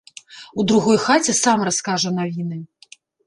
У другой хаце сам раскажа навіны.